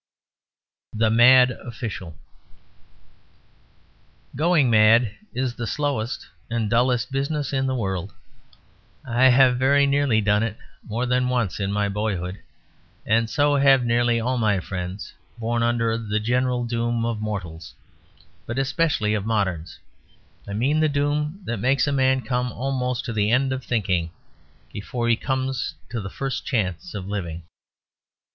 THE MAD OFFICIAL Going mad is the slowest and dullest business in the world. I have very nearly done it more than once in my boyhood, and so have nearly all my friends, born under the general doom of mortals, but especially of moderns; I mean the doom that makes a man come almost to the end of thinking before he comes to the first chance of living.